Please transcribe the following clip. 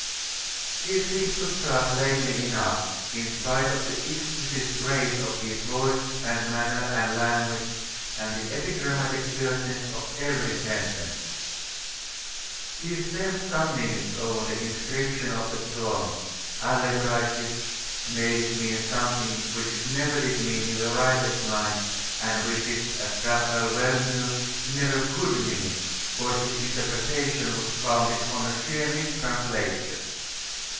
He seemed to start lamely enough, in spite of the exquisite grace of his voice, and manner, and language, and the epigrammatic terseness of every sentence. He spent some minutes over the inscription of the psalm allegorised it made it mean something which it never did mean in the writer's mind, and which it, as Raphael well knew, never could mean, for his interpretation was founded on a sheer mis translation.